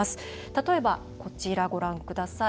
例えば、こちらご覧ください。